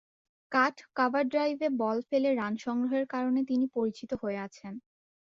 কাট, cover ড্রাইভে ball ফেলে run সংগ্রহের কারণে তিনি পরিচিত হয়ে আছেন।